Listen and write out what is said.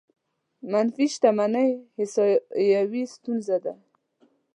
منفي شتمنۍ احصايوي ستونزه ده.